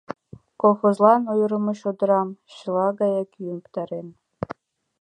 — Колхозлан ойырымо чодрам чыла гаяк йӱын пытарен!